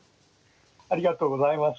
ありがとうございます。